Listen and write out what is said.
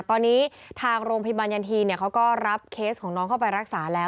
ตอนนี้ทางโรงพยาบาลยันทีเขาก็รับเคสของน้องเข้าไปรักษาแล้ว